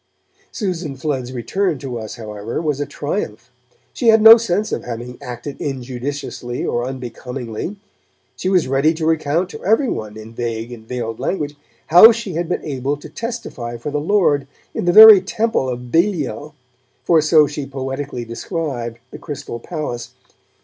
Susan Flood's return to us, however, was a triumph; she had no sense of having acted injudiciously or unbecomingly; she was ready to recount to every one, in vague and veiled language, how she had been able to testify for the Lord 'in the very temple of Belial', for so she poetically described the Crystal Palace.